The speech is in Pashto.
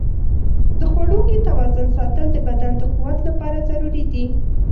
د خواړو کې توازن ساتل د بدن د قوت لپاره ضروري دي.